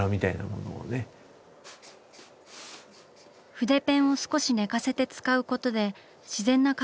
筆ペンを少し寝かせて使うことで自然なか